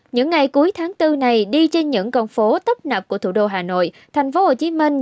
những ngày cuối tháng bốn này đi trên những con phố tấp nập của thủ đô hà nội thành phố hồ chí minh